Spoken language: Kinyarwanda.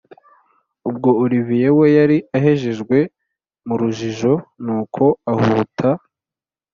ubwo olivier we yari ahejejwe murujijo nuko ahuta